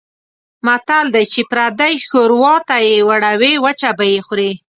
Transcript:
متل دی: چې پردۍ شوروا ته یې وړوې وچه به یې خورې.